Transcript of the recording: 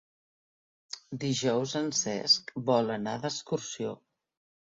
Dijous en Cesc vol anar d'excursió.